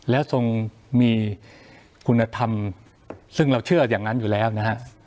แล้วทรงมีคุณธรรมซึ่งเราเชื่ออย่างนั้นอยู่แล้วนะฮะ